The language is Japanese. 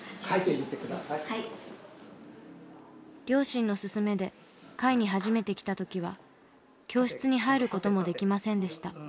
両親の勧めで会に初めて来た時は教室に入る事もできませんでした。